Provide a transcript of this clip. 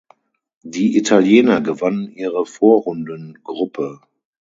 Die Italiener gewannen ihre Vorrundengruppe.